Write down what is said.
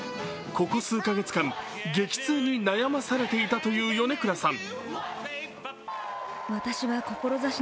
ここ数カ月間、激痛に悩まされていたという米倉さん。